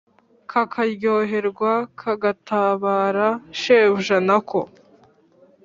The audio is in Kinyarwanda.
kakaryoherwa, kagatabara shebuja na ko